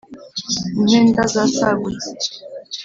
impenda zasagutse